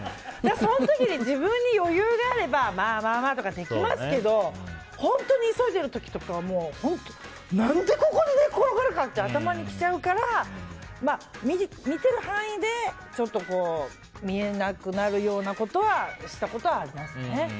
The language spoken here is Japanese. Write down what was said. その時に自分に余裕があればまあまあとかできますけど本当に急いでる時とかはもう本当に何でここで寝転がるかって頭にきちゃうから見てる範囲で見えなくなるようなことはしたことはありますね。